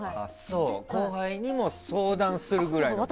後輩にも相談するぐらいなんだ。